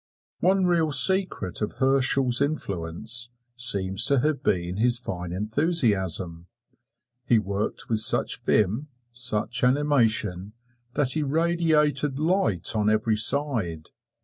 One real secret of Herschel's influence seems to have been his fine enthusiasm. He worked with such vim, such animation, that he radiated light on every side.